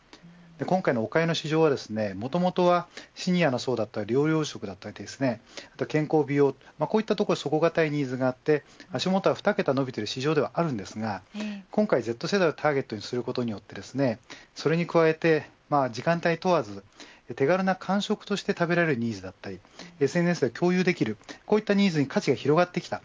今回のおかゆの市場はもともとはシニアの層だったり療養食として健康、美容ニーズがあった中で伸びている市場ではあるんですが今回、Ｚ世代をターゲットにすることによってそれに加えて、時間帯問わず手軽な間食として食べられるニーズだったりＳＮＳで共有できる、こういったニーズに価値が広がってきた。